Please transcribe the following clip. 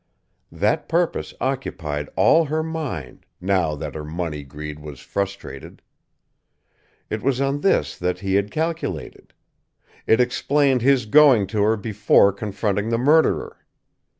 That purpose occupied all her mind, now that her money greed was frustrated. It was on this that he had calculated. It explained his going to her before confronting the murderer.